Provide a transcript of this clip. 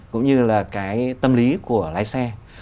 cũng như là cái tâm lý của lái xe